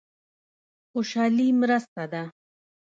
خوشالي مرسته ده.